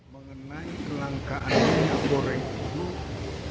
mengenai kelangkaan minyak goreng ini